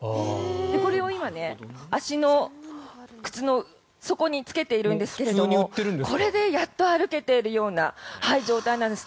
これを今、足の靴の底につけているんですがこれでやっと歩けているような状態なんです。